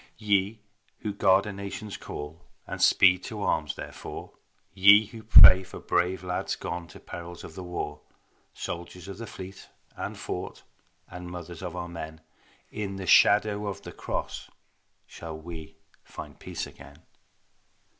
Ye who guard a nation's call And speed to arms therefor, Ye who pray for brave lads gone To perils of the war; Soldiers of the fleet and fort And mothers of our men, In the shadow of the Cross Shall we find peace again.